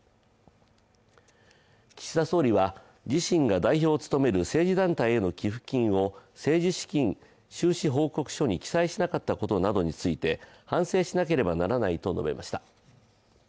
岸田総理は、自身が代表を務める政治団体への寄付金を政治資金収支報告書に記載しなかったことなどについて反省しなければならないと述べました。